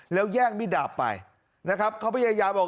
แล้วแย่งมิดดาบไปนะครับเขาพยายามบอก